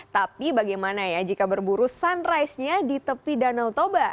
tapi bagaimana ya jika berburu sunrise nya di tepi danau toba